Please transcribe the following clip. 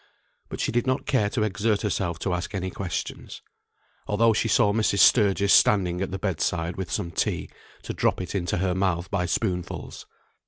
But she did not care to exert herself to ask any questions, although she saw Mrs. Sturgis standing at the bed side with some tea, ready to drop it into her mouth by spoonfuls.